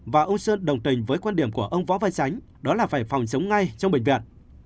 và ông sơn đồng tình với quan điểm của ông võ văn sánh đó là phải phòng chống ngay trong bệnh viện